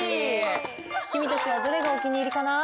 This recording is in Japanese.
君たちはどれがお気に入りかな？